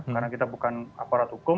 karena kita bukan aparat hukum